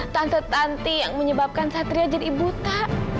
tante tanti yang menyebabkan satria jadi buta